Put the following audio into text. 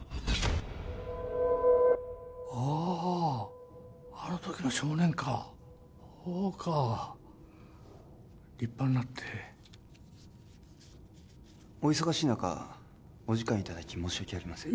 あああの時の少年かほうか立派んなってお忙しい中お時間いただき申し訳ありません